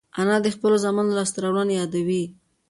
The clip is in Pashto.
انا د خپلو زامنو لاسته راوړنې یادوي